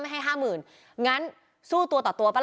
ห้ามกันครับผม